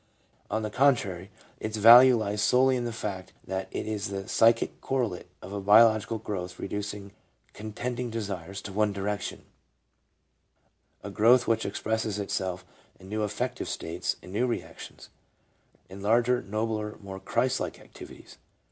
On the contrary, its value lies solely in the fact that it is the psychic correlate of a biological growth reducing contending desires to one direction ; a growth which ex presses itself in new affective states and new reactions ; in larger, nobler, more Christ like activities.